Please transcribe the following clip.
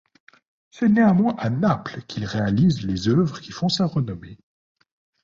C'est néanmoins à Naples qu'il réalise les œuvres qui font sa rénommée.